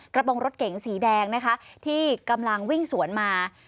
กระโปรงรถเก๋งสีแดงนะคะที่กำลังวิ่งสวนมา